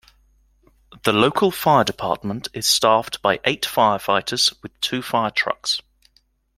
The local Fire Department is staffed by eight fire fighters with two fire trucks.